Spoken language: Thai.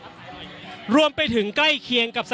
อย่างที่บอกไปว่าเรายังยึดในเรื่องของข้อ